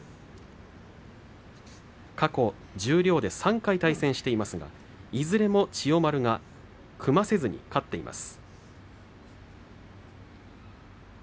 過去、十両で３回対戦していますがいずれも千代丸が組ませずに勝っています。